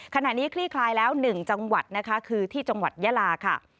คลี่คลายแล้ว๑จังหวัดนะคะคือที่จังหวัดยาลาค่ะ